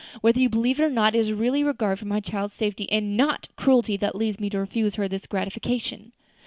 Whether you believe it or not, it is really regard for my child's safety, and not cruelty, that leads me to refuse her this gratification."